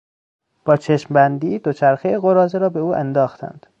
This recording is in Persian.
با چشمبندی دوچرخهی قراضه را به او انداختند.